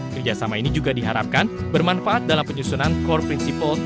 kerjasama ini juga diharapkan bermanfaat dalam penyusunan core principle